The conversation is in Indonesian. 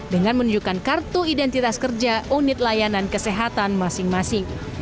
dengan menunjukkan kartu identitas kerja unit layanan kesehatan masing masing